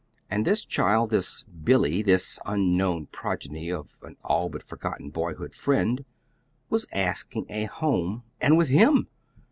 And this child, this "Billy," this unknown progeny of an all but forgotten boyhood friend, was asking a home, and with him!